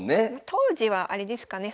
当時はあれですかね